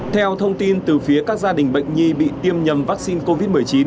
theo thông tin từ phía các gia đình bệnh nhi bị tiêm nhầm vaccine covid một mươi chín